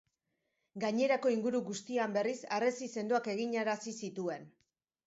Gainerako inguru guztian, berriz, harresi sendoak eginarazi zituen.